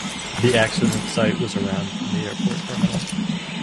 The accident site was around from the airport terminal.